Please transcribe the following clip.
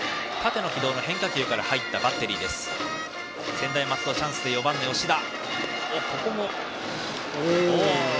専大松戸チャンスで４番の吉田。